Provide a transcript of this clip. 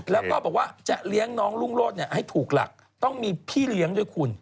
แล้วก็บอกว่าจะเลี้ยงน้องรุ่งโรธให้ถูกหลักต้องมีพี่เลี้ยงด้วยคุณ